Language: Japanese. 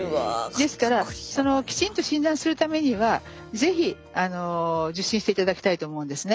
ですからきちんと診断するためには是非あの受診していただきたいと思うんですね。